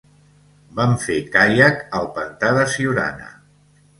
Vam fer caiac al pantà de Siurana.